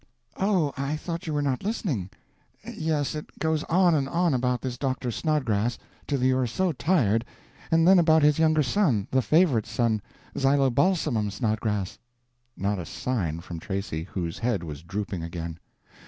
"Oh, I thought you were not listening. Yes, it goes on and on about this Doctor Snodgrass, till you are so tired, and then about his younger son—the favorite son—Zylobalsamum Snodgrass—" Not a sign from Tracy, whose head was drooping again.